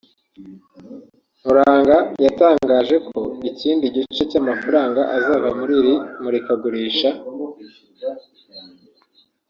Nkuranga yatangaje ko ikindi gice cy’amafaranga azava muri iri murikagurisha